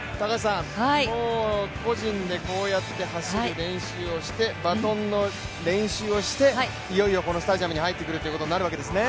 もう個人でこうやって走る練習をして、バトンの練習をして、いよいよこのスタジアムに入ってくるということになるわけですね。